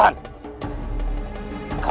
kamu tidak ingatkan